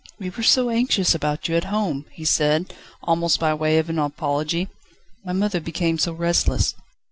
"We were so anxious about you at home!" he said, almost by way of an apology. "My mother became so restless